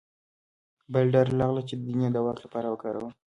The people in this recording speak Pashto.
بله ډله راغله چې دین یې د واک لپاره وکاروه